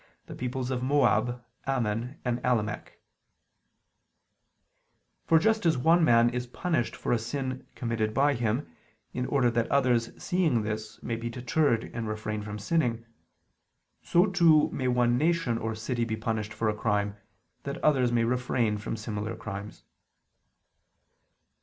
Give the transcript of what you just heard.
the peoples of Moab, Ammon, and Amalec. For just as one man is punished for a sin committed by him, in order that others seeing this may be deterred and refrain from sinning; so too may one nation or city be punished for a crime, that others may refrain from similar crimes.